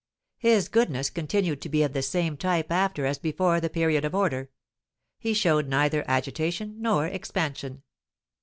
His goodness continued to be of the same type after as before the period of order; he showed neither agitation nor expansion.